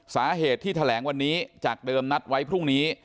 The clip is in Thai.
สาเหตุที่แถลงวันนี้จากเดิมนัดไว้พรุ่งนี้